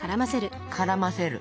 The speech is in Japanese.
絡ませる。